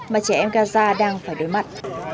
mà trẻ em gaza đang phải đối mặt